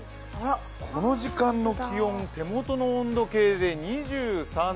この時間の気温、手元の温度計で２３．２度。